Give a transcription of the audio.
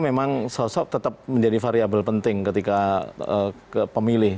memang sosok tetap menjadi variable penting ketika pemilih